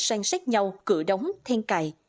sang sát nhau cửa đóng then cài